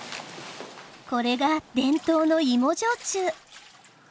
これが伝統の芋焼酎。